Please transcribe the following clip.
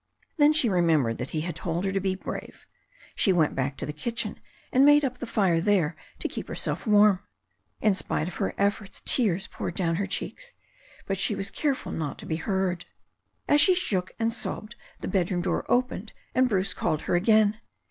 Then she remembered that he had told her to be brave. She went back to the kitchen, and made up the fire there to keep herself warm. In spite of her efforts tears poured down her cheeks, l)ut she was careful not to be heard. As she shook and sobbed the bedroom door opened, and Bruce called her again.